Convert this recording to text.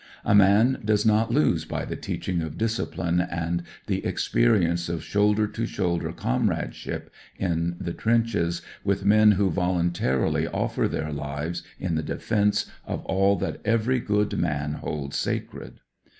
A man does not lose by the teaching of discipline and the experience of shoulder to shoulder com radeship in the trenches with men who voluntarily offer their lives in the defence of all that every good man holds sacred.